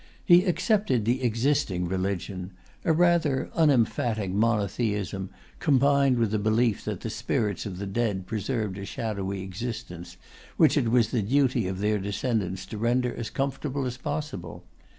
He accepted the existing religion a rather unemphatic monotheism, combined with belief that the spirits of the dead preserved a shadowy existence, which it was the duty of their descendants to render as comfortable as possible.